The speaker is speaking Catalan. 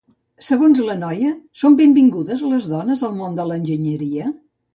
Segons la noia, són benvingudes les dones al món de l'enginyeria?